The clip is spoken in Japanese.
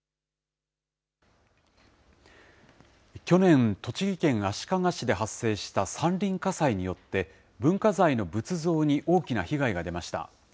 去年、栃木県足利市で発生した山林火災によって、文化財の仏像に大きな被害が出ました。